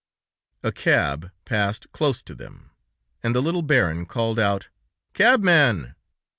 A cab passed close to them, and the little Baron called out: "Cabman!"